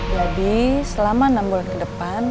jadi selama enam bulan kedepan